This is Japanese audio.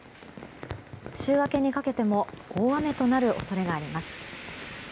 週明けにかけても大雨となる恐れがあります。